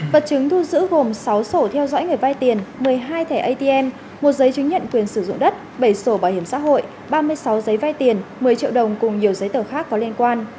vật chứng thu giữ gồm sáu sổ theo dõi người vai tiền một mươi hai thẻ atm một giấy chứng nhận quyền sử dụng đất bảy sổ bảo hiểm xã hội ba mươi sáu giấy vay tiền một mươi triệu đồng cùng nhiều giấy tờ khác có liên quan